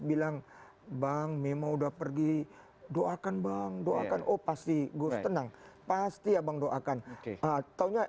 bilang bang memang udah pergi doakan bang doakan oh pasti gue tenang pasti abang doakan ataunya